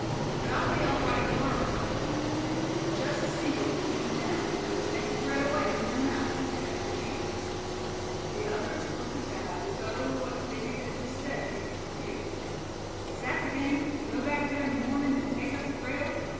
But I'll be all right to morrow, fellers; and then just see what we do to them that would take the bread away from your mouth, if they had the chance." The others looked to Thad, as though what Davy had just said gave them a cue. "Is that the game, to go back there in the mornin', an' take up the trail?"